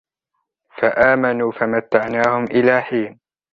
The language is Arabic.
فآمنوا فمتعناهم إلى حين